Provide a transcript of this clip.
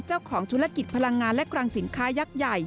เจ้าของธุรกิจพลังงานและคลังสินค้ายักษ์ใหญ่